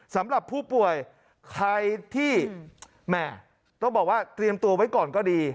สำหรับผู้ป่วยใครที่แหม่ต้องบอกว่าเตรียมตัวไว้ก่อนก็ดี